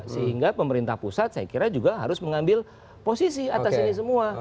sehingga pemerintah pusat saya kira juga harus mengambil posisi atas ini semua